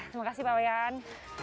terima kasih pak wayan